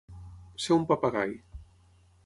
Ser un papagai.